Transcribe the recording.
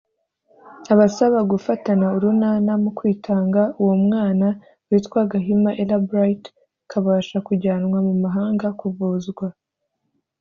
abasaba gufatana urunana mu kwitanga uwo mwana witwa Gahima Ella Bright akabasha kujyanwa mu mahanga kuvuzwa